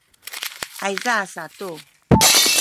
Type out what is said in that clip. ayza satu